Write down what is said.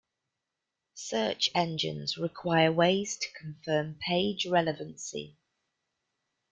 Search engines require ways to confirm page relevancy.